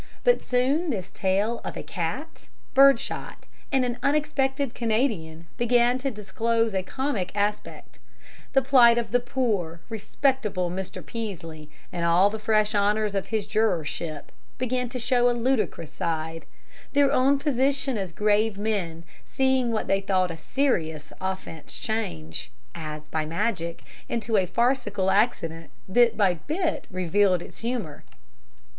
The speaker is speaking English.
But soon this tale of a cat, bird shot, and an unexpected Canadian began to disclose a comic aspect; the plight of poor, respectable Mr. Peaslee, in all the fresh honors of his jurorship, began to show a ludicrous side; their own position as grave men seeing what they thought a serious offense change, as by magic, into a farcical accident, bit by bit revealed its humor.